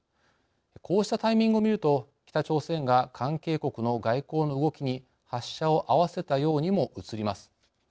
こうしたタイミングを見ると北朝鮮が関係国の外交の動きに発射を合わせたようにもうつります。